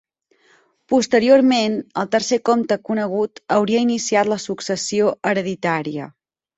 Posteriorment el tercer comte conegut hauria iniciat la successió hereditària.